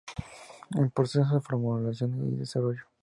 En proceso de formulación y desarrollo.